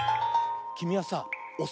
きみはさおす